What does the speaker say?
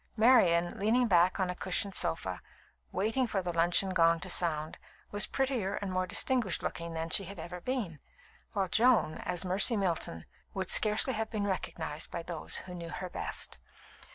Marian, leaning back on a cushioned sofa, waiting for the luncheon gong to sound, was prettier and more distinguished looking than she had ever been; while Joan, as Mercy Milton, would scarcely have been recognised by those who knew her best.